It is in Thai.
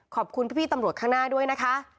ขอบคุณพี่ตำรวจข้างหน้าด้วยนะคะ